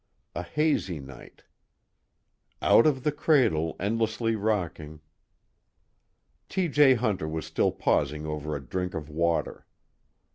A hazy night "Out of the cradle endlessly rocking " T. J. Hunter was still pausing over a drink of water.